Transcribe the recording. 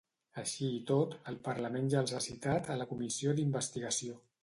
Així i tot, el Parlament ja els ha citat a la comissió d'investigació.